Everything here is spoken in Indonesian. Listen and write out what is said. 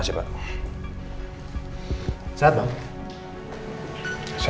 aku mau ikut sama dia